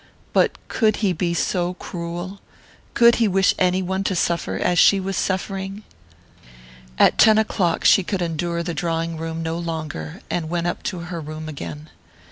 But could he be so cruel could he wish any one to suffer as she was suffering? At ten o'clock she could endure the drawing room no longer, and went up to her room again.